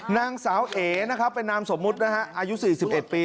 นางสาวเอ๋นะครับเป็นนามสมมุตินะฮะอายุ๔๑ปี